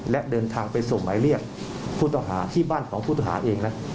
และเดินทางไปส่งหมายเรียกผู้ต้องหาที่บ้านของผู้ต้องหาเองนะ